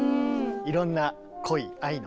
いろんな恋愛の。